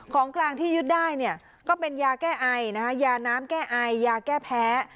ของกลางที่ยึดได้เนี่ยก็เป็นยาแก้ไอยาน้ำแก้ไอยาแก้แพ้